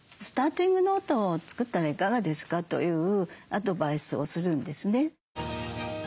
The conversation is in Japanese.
スターティングノートを作ったらいかがですか？というアドバイスをするんですね。